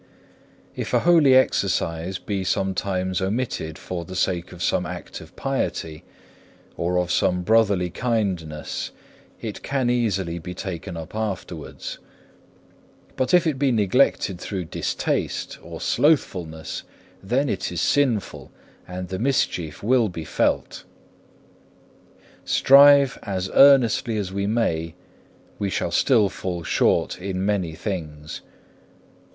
If a holy exercise be sometimes omitted for the sake of some act of piety, or of some brotherly kindness, it can easily be taken up afterwards; but if it be neglected through distaste or slothfulness, then is it sinful, and the mischief will be felt. Strive as earnestly as we may, we shall still fall short in many things.